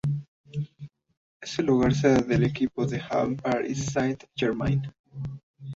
Es el lugar sede del equipo de handball Paris Saint-Germain.